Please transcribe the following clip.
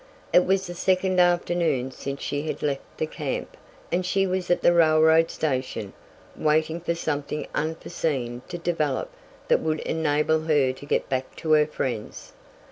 It was the second afternoon since she had left the camp, and she was at the railroad station, waiting for something unforseen to develop that would enable her to get back to her friends.